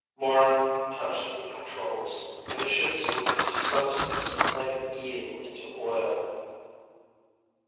Morran touched the controls, and the ship slipped into sub space like an eel into oil.